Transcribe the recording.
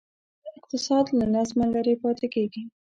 اقتصاد له نظمه لرې پاتې کېږي.